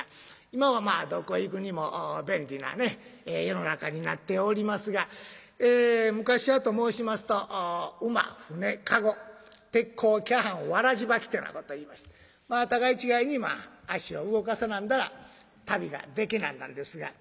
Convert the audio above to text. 今はどこへ行くにも便利な世の中になっておりますが昔はと申しますと馬船駕籠手っ甲脚絆草鞋ばきっていうようなこといいまして互い違いに足を動かさなんだら旅ができなんなんですが。